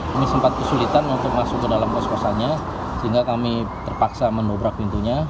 kami sempat kesulitan untuk masuk ke dalam kos kosannya sehingga kami terpaksa mendobrak pintunya